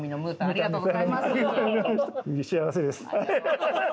ありがとうございます。